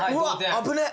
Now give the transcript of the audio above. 危ねえ。